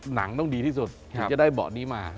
หนังต้องดีที่สุดถึงจะได้เบาะนี้มา